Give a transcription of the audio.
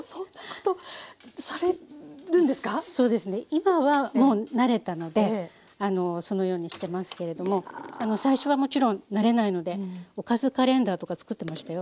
今はもう慣れたのでそのようにしてますけれども最初はもちろん慣れないのでおかずカレンダーとかつくってましたよ。